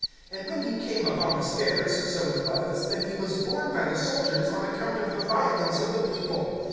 (35)And when he came upon the stairs, so it was, that he was borne by the soldiers on account of the violence of the people.